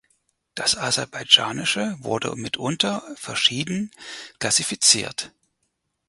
Das Aserbaidschanische wird mitunter verschieden klassifiziert.